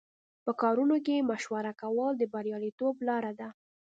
په کارونو کې مشوره کول د بریالیتوب لاره ده.